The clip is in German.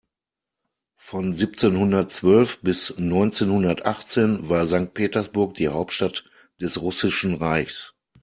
Von siebzehnhundertzwölf bis neunzehnhundertachtzehn war Sankt Petersburg die Hauptstadt des Russischen Reichs.